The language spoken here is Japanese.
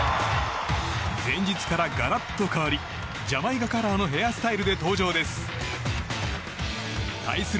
前日からガラッと変わりジャマイカカラーのヘアスタイルで登場です。